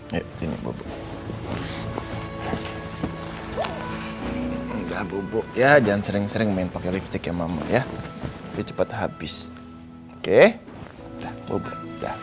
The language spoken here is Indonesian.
ya jangan sering sering main pakai lipstick ya mama ya cepat habis oke